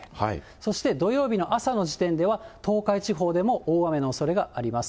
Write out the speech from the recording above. そして土曜日の朝の時点では、東海地方でも大雨のおそれがあります。